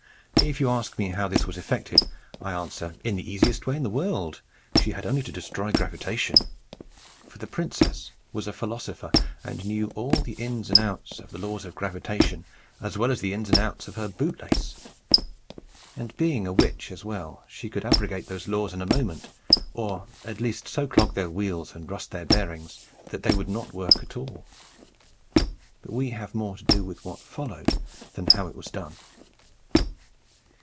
If you ask me how this was effected, I answer, "In the easiest way in the world. She had only to destroy gravitation." For the princess was a philosopher, and knew all the ins and outs of the laws of gravitation as well as the ins and outs of her boot lace. And being a witch as well, she could abrogate those laws in a moment; or at least so clog their wheels and rust their bearings, that they would not work at all. But we have more to do with what followed than with how it was done.